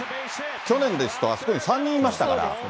去年ですとあそこに３人いましたから。